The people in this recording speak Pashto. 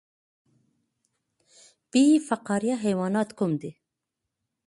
بې فقاریه حیوانات کوم دي؟